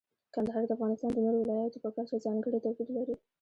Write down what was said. کندهار د افغانستان د نورو ولایاتو په کچه ځانګړی توپیر لري.